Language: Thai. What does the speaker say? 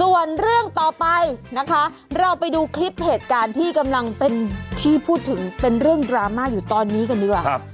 ส่วนเรื่องต่อไปนะคะเราไปดูคลิปเหตุการณ์ที่กำลังเป็นที่พูดถึงเป็นเรื่องดราม่าอยู่ตอนนี้กันดีกว่า